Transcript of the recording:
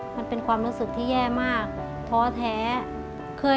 มันเป็นความรู้สึกที่แย่มากท้อแท้